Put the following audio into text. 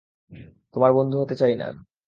তোমার বন্ধু হতে চাই না আমি।